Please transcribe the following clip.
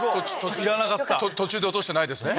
途中で落としてないですね。